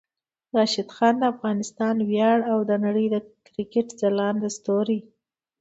راشد خان د افغانستان ویاړ او د نړۍ د کرکټ ځلانده ستوری